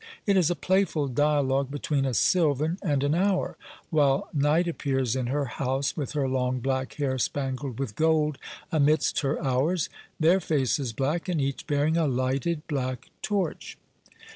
It is a playful dialogue between a Silvan and an Hour, while Night appears in her house, with her long black hair spangled with gold, amidst her Hours; their faces black, and each bearing a lighted black torch.